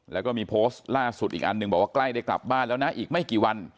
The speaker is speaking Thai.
แล้วก็มีโพสต์ล่าสุดอีกอันหนึ่งบอกว่าใกล้ได้กลับบ้านแล้วนะอีกไม่กี่วัน